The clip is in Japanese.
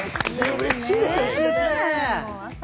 うれしいですね。